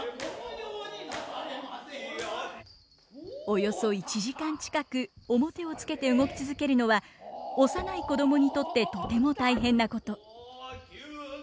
およそ１時間近く面をつけて動き続けるのは幼い子供にとってとても大変なこと。